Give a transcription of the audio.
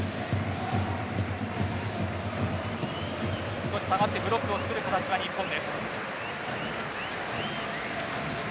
少し下がってブロックをつくる形の日本です。